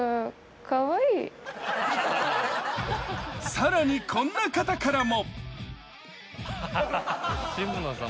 更にこんな方からも。